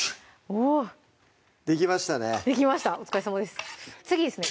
おぉできましたねできましたお疲れさまです次ですね